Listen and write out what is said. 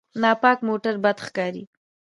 ناپاک موټر بد ښکاري.